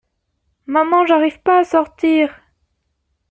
Maman j'arrive pas à sortir!